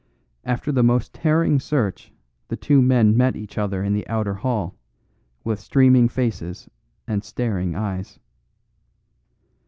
After the most tearing search the two men met each other in the outer hall, with streaming faces and staring eyes.